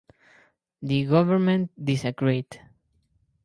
The government disagreed.